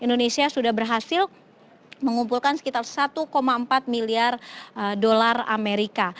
indonesia sudah berhasil mengumpulkan sekitar satu empat miliar dolar amerika